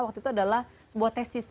waktu itu adalah sebuah tesis